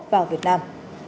vào việt nam